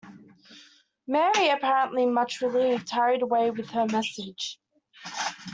Mary, apparently much relieved, hurried away with her message.